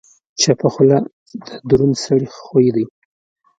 چپه خوله، د دروند سړي خوی دی.